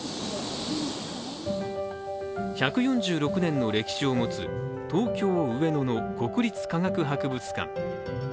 １４６年の歴史を持つ東京・上野の国立科学博物館。